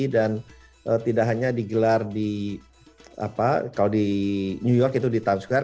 dan tidak hanya digelar di new york itu di times square